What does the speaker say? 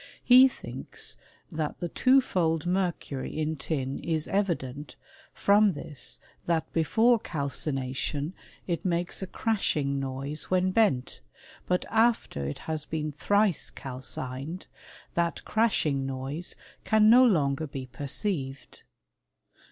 He thinks that the twofold mercury in tin is evident, from this, that before calcination it makes a crashing noise when bent, but after it has been thrice cal cined, that crashing noise can no longer be per ceived.